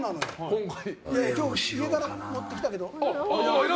今日、家から持ってきたけど。